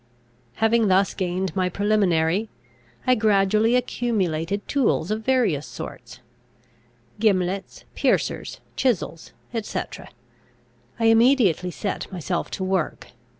Having thus gained my preliminary, I gradually accumulated tools of various sorts gimlets, piercers, chisels, et cetera. I immediately set myself to work.